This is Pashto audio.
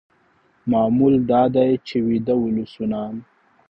معمول دا دی چې ویده ولسونه